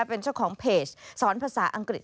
เป็นเจ้าของเพจสอนภาษาอังกฤษ